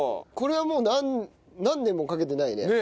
これはもう何年もかけてないね。